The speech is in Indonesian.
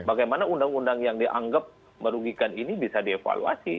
bagaimana undang undang yang dianggap merugikan ini bisa dievaluasi